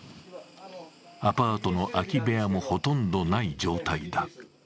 アパートの空き部屋もほとんどない状態だ。